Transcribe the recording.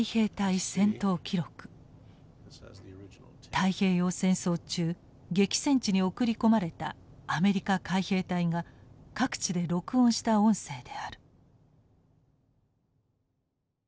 太平洋戦争中激戦地に送り込まれたアメリカ海兵隊が各地で録音した音声である。